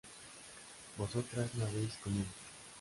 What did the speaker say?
Vosotras no habíais comido